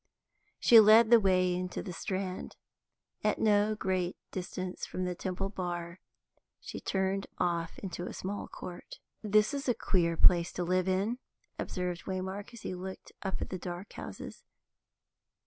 She led the way into the Strand. At no great distance from Temple Bar she turned off into a small court. "This is a queer place to live in," observed Waymark, as he looked up at the dark houses.